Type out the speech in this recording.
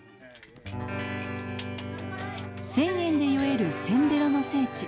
１０００円で酔えるせんべろの聖地